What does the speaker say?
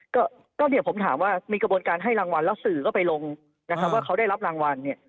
ก็ก็เนี่ยผมถามว่ามีกระบวนการให้รางวัลแล้วสื่อก็ไปลงนะครับว่าเขาได้รับรางวัลเนี่ย